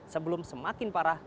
sebelum semakin parah